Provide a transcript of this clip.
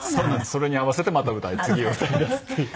それに合わせてまた次を歌い出すっていう。